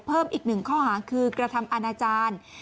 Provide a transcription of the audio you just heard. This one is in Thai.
เพิ่มอีกหนึ่งข้อหาคือกระทำอาณาจารย์